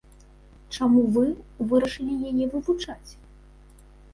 Чаму вы вырашылі яе вывучаць?